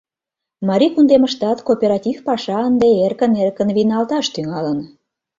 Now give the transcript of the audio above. Марий кундемыштат кооператив паша ынде эркын-эркын вийналташ тӱҥалын.